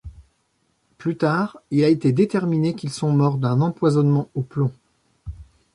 Plus tard, il a été déterminé qu'ils sont morts d'un empoisonnement au plomb.